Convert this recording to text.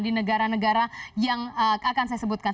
di negara negara yang akan saya sebutkan